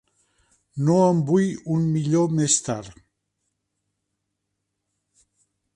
No en vull un millor més tard.